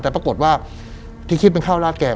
แต่ปรากฏว่าที่คิดเป็นข้าวราดแกง